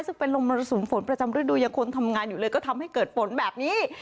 ซึ่งเป็นลมมรสุมฝนประจำฤดูยังควรทำงานอยู่เลยก็ทำให้เกิดฝนแบบนี้